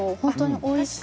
おいしい。